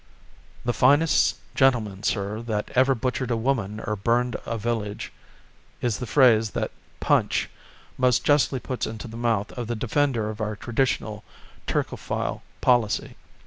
"The finest gentleman, sir, that ever butchered a woman or burned a village," is the phrase that Punch most justly puts into the mouth of the defender of our traditional Turcophil policy.